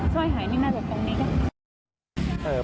สร้อยหายนี่น่าจะตรงนี้ก็